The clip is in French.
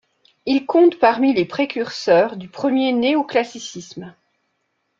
Il compte parmi les précurseurs du premier néoclassicisme.